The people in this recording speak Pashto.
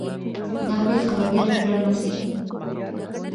دا پیښه به بیا تکرار نه سي.